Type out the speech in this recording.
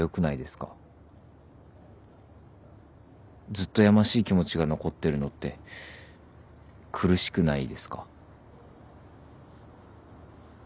ずっとやましい気持ちが残ってるのって苦しくないですか？